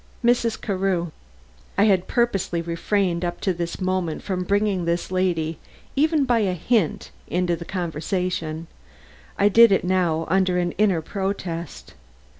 "Mrs. Carew." I had purposely refrained up to this moment from bringing this lady, even by a hint, into the conversation. I did it now under an inner protest.